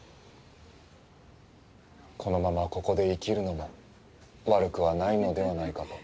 このままここで生きるのも悪くはないのではないかと。